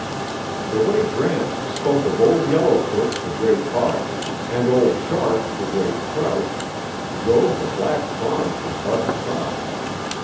The way Gramps spoke of Old Yellowfoot, the great buck, and Old Shark, the great trout, drove the black fawn from Bud's thoughts.